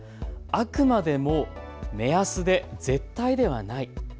あくまでも目安で絶対ではない。